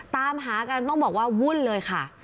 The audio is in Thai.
ตามหากันต้องบอกว่าวุ่นเลยค่ะ